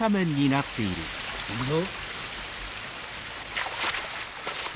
行くぞ。